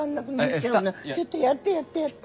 ちょっとやってやって。